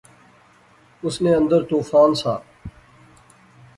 اس نے اندر طوفان سا